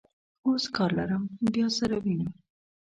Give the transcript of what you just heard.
اوس کار لرم، بیا سره وینو.